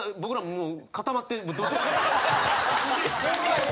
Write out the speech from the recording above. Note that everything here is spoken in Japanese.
もう。